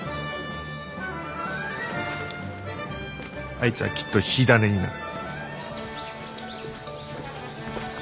あいつはきっと火種になる。